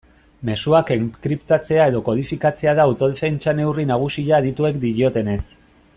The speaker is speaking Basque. Mezuak enkriptatzea edo kodifikatzea da autodefentsa neurri nagusia adituek diotenez.